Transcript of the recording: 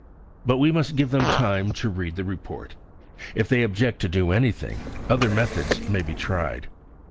But we must give them time to read the report. If they object to do anything, other methods may be tried.